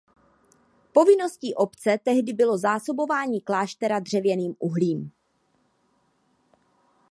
Povinností obce tehdy bylo zásobování kláštera dřevěným uhlím.